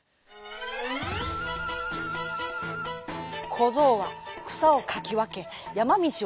こぞうはくさをかきわけやまみちをかけおり